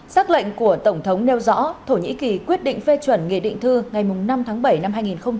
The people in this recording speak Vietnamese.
xác lệnh của tổng thống nêu rõ thổ nhĩ kỳ quyết định phê chuẩn nghị định thư ngày năm tháng bảy năm hai nghìn hai mươi